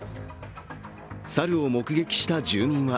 猿を目撃した住民は